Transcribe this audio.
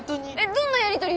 どんなやりとり？